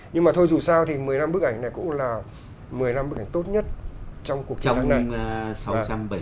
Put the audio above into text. nhưng mà thôi dù sao thì một mươi năm bức ảnh này cũng là một mươi năm bức ảnh tốt nhất trong cuộc chiến thắng này